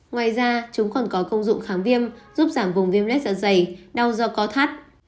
ngoài ra chúng còn có công dụng kháng viêm giúp giảm vùng viêm lết dạ dày đau do co thắt